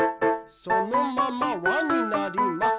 そのまま輪になります。